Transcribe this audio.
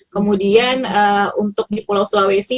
kemudian untuk di pulau sulawesi